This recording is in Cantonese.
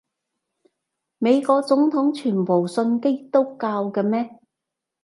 美國總統全部信基督教嘅咩？